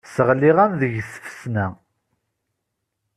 Sseɣliɣ-am deg tfesna.